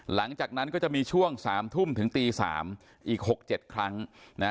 หลังจากนั้นก็จะมีช่วงสามถุ้มถึงตีสาม